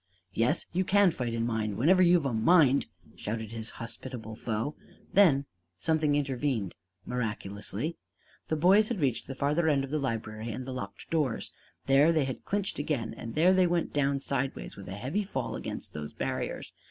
"Yes; you can fight in mine whenever you've a mind!" shouted his hospitable foe. Then something intervened miraculously. The boys had reached the farther end of the library and the locked doors. There they had clinched again, and there they went down sidewise with a heavy fall against those barriers.